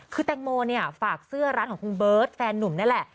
คือแตงโมเนี่ยฝากเสื้อร้านของคุณเบิร์ตแฟนนุ่มนี่แหละ